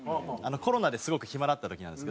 コロナですごく暇だった時なんですけど。